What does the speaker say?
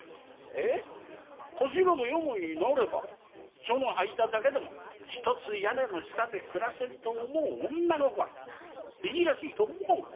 頭が病になればその間だけでも一つ屋根の下で暮らせると思う女心いじらしいと思わんか。